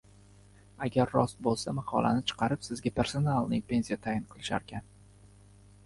— Agar rost bo‘lsa, maqolani chiqarib sizga personalniy pensiya tayin qilisharkan.